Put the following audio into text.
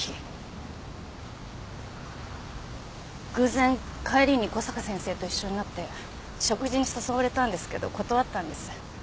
偶然帰りに小坂先生と一緒になって食事に誘われたんですけど断ったんです。